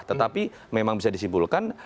tetapi memang bisa disimpulkan